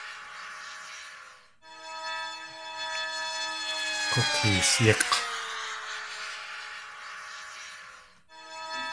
K̲ukeesyík̲!